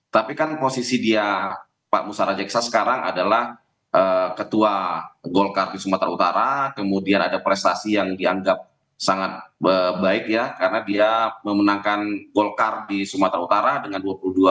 tapi kan posisi dia pak musara jeksa sekarang adalah ketua golkar di sumatera utara kemudian ada prestasi yang dianggap sangat baik ya karena dia memenangkan golkar di sumatera utara dengan dua puluh dua